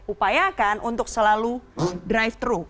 upayakan untuk selalu drive thru